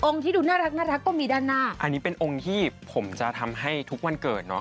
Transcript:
ที่ดูน่ารักน่ารักก็มีด้านหน้าอันนี้เป็นองค์ที่ผมจะทำให้ทุกวันเกิดเนอะ